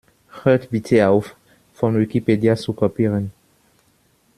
Hört bitte auf, von Wikipedia zu kopieren!